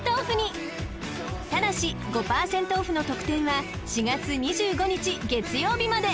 ［ただし５％オフの特典は４月２５日月曜日まで］